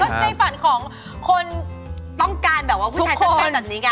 ก็ในฝันของคนทุกคนต้องการแบบว่าผู้ชายเสื้อเป็นแบบนี้ค่ะ